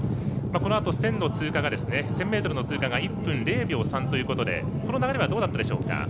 このあと、１０００ｍの通過が１分０秒３ということでこの流れはどうだったでしょうか？